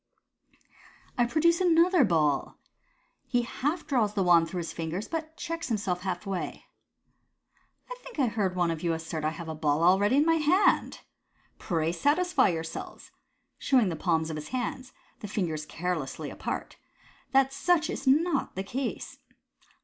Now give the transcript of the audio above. " I produce another ball "— (he half draws the wand through his fingers, but checks himself half way). "I think I heard some one assert that I have a ball already in my hand. Pray satisfy yourselves " (showing the palms of his hands, the fingers carelessly apart) "that such is not the case.